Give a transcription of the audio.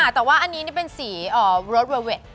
แต่ว่าอันนี้นี่เป็นสีโรดเวลเวท